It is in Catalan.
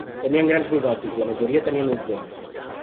Tenien grans bigotis i la majoria tenien ulls blaus.